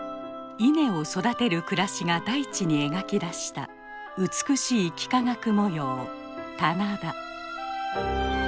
稲を育てる暮らしが大地に描き出した美しい幾何学模様棚田。